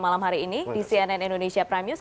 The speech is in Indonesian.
malam hari ini di cnn indonesia prime news